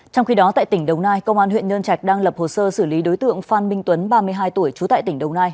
trong khi đó tại tỉnh đồng nai công an huyện nhân trạch đang lập hồ sơ xử lý đối tượng phan minh tuấn ba mươi hai tuổi trú tại tỉnh đồng nai